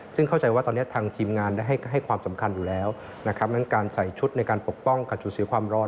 ซึ่งเข้าใจว่าตอนนี้ทางทีมงานได้ให้ความสำคัญอยู่แล้วนะครับดังนั้นการใส่ชุดในการปกป้องการสูญเสียความร้อน